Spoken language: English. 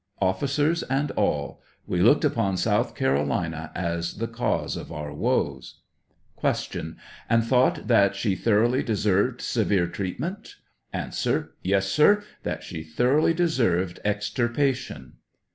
Officers and all ; we looked upon South Carolina as the cause of our woes. Q. And thought that she thoroughly deserved severe treatment? A. Yes, sir ; that she thoroughly deserved extirpa tion.